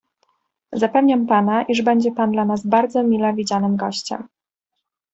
"Zapewniam pana, iż będzie pan dla nas bardzo mile widzianym gościem."